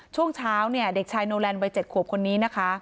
ช่วงเช้าเนี่ยเด็กชายโนแลนดวัย๗ขวบคนนี้นะคะ